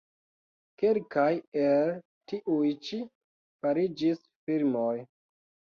Kelkaj el tiuj-ĉi fariĝis filmoj.